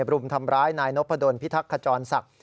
รุมทำร้ายนายนพดลพิทักษจรศักดิ์